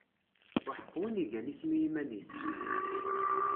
Uḥeqq win igan isem i yiman-is!